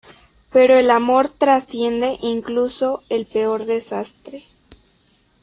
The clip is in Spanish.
Pero el amor trasciende incluso el peor desastre.